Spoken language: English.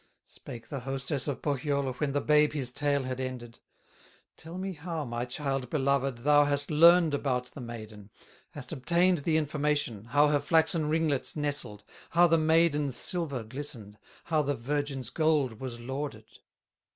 Spake the hostess of Pohyola, When the babe his tale had ended: "Tell me how, my child beloved, Thou hast learned about the maiden, Hast obtained the information, How her flaxen ringlets nestled, How the maiden's silver glistened, How the virgin's gold was lauded.